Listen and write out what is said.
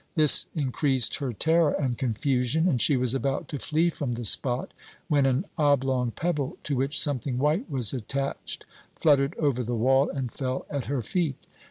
This increased her terror and confusion, and she was about to flee from the spot when an oblong pebble to which something white was attached fluttered over the wall and fell at her feet.